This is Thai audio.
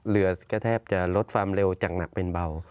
เรือก็แทบจะลดความเร็วจากหนักเป็นเบา